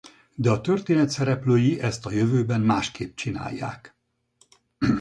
De a történet szereplői ezt a jövőben másképp csinálják.